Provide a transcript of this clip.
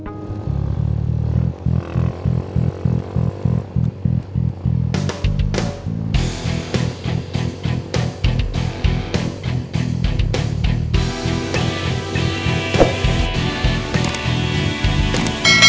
tim saya sedang bergerak